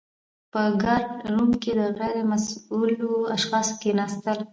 په ګارډ روم کي د غیر مسؤلو اشخاصو کښيناستل .